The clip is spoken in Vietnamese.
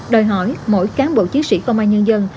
đòi hỏi mỗi cán bộ chiến sĩ công an nhân dân